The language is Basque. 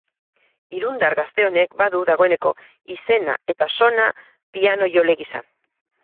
Irundar gazte honek badu dagoeneko izena eta sona pianojole gisa.